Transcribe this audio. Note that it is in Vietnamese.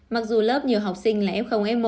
mặc dù lớp nhiều học sinh là f f một